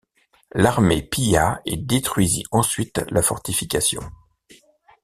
L'armée pilla et détruisit ensuite la fortification.